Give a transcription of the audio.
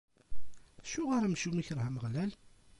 Acuɣer amcum ikreh Ameɣlal?